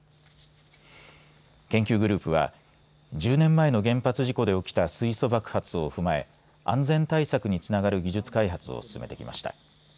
研究グループは１０年前の原発事故で起きた水素爆発を踏まえ安全対策につながる技術開発を進めてきました。